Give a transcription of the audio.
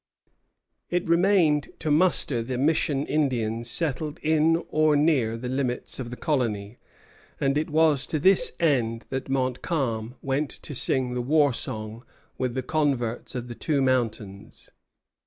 It remained to muster the Mission Indians settled in or near the limits of the colony; and it was to this end that Montcalm went to sing the war song with the converts of the Two Mountains.